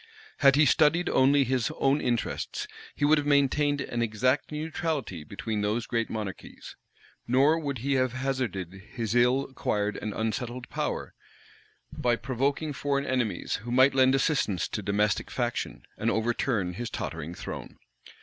Had he studied only his own interests, he would have maintained an exact neutrality between those great monarchies; nor would he have hazarded his ill acquired and unsettled power by provoking foreign enemies who might lend assistance to domestic faction, and overturn his tottering throne.